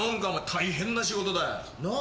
大変な仕事だよなあ。